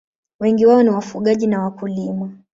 Wengi wao ni wafugaji na wakulima.